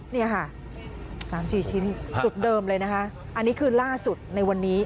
นี่ค่ะ๓๔ชิ้นจุดเดิมเลยนะคะอันนี้คือล่าสุดในวันนี้